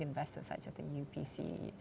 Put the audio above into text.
investasi besar seperti upc